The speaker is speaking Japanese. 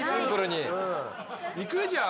いくじゃあ？